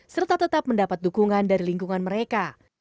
serta tetap mendapat dukungan dari lingkungan mereka